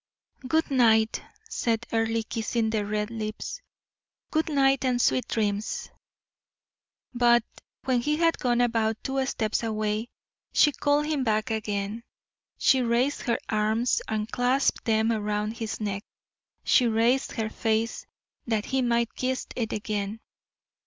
"Good night," said Earle, kissing the red lips; "good night, and sweet dreams." But when he had gone about two steps away, she called him back again. She raised her arms and clasped them round his neck; she raised her face that he might kiss it again.